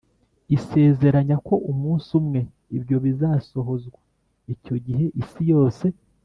Isezeranya ko umunsi umwe ibyo bizasohozwa icyo gihe isi yose